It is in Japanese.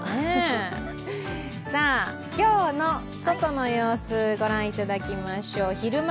今日の外の様子、ご覧いただきましょう。